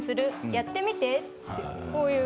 やってみて。